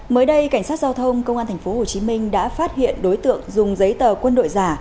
mới đây cảnh sát giao thông công an tp hcm đã phát hiện đối tượng dùng giấy tờ quân đội giả